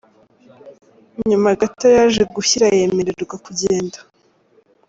Nyuma gato yaje gushyira yemererwa kugenda.